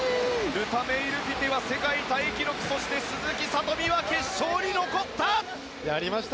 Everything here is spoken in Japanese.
ルタ・メイルティテは世界タイ記録そして鈴木聡美は決勝に残った！